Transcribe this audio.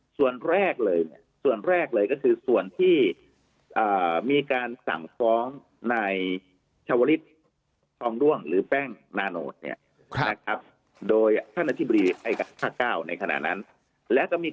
ส่วนแรกเลยส่วนแรกเลยก็คือส่วนที่มีการสั่งฟ้องในชาวริสต์ฟองร่วงหรือแป้งนานโนสเนี่ย